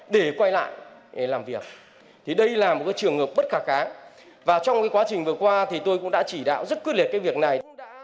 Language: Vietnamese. để quay lại làm việc thì đây là một cái trường hợp bất khả kháng và trong cái quá trình vừa qua thì tôi cũng đã chỉ đạo rất quyết liệt cái việc này